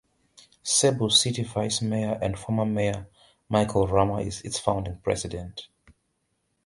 Cebu City vice mayor and former mayor Michael Rama is its founding president.